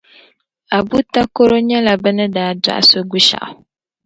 Abu Takoro nyɛla bɛ ni daa dɔɣi so Gushɛɣu.